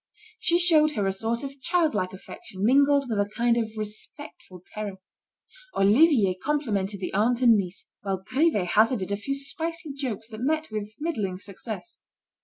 She showed her a sort of childlike affection mingled with a kind of respectful terror. Olivier complimented the aunt and niece, while Grivet hazarded a few spicy jokes that met with middling success.